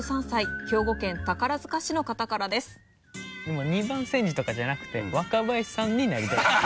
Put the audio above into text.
もう二番煎じとかじゃなくて若林さんになりたいんで。